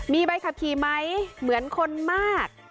มีใบขับขี่ไหมเหมือนคนมาก